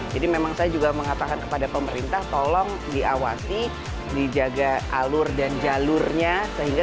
jadi memang saya juga mengatakan kepada pemerintah tolong diawasi dijaga alur dan jalurnya sehingga